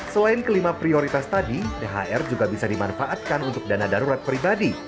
selain kelima prioritas tadi thr juga bisa dimanfaatkan untuk dana darurat pribadi